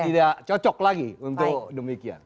terus lagi untuk demikian